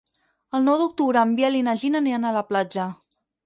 El nou d'octubre en Biel i na Gina aniran a la platja.